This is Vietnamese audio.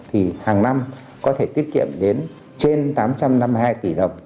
thì hàng năm có thể tiết kiệm đến trên tám trăm năm mươi hai tỷ đồng